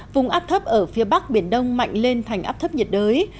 vùng áp thấp ở phía bắc biển đông mạnh lên thành áp thấp nhiệt đới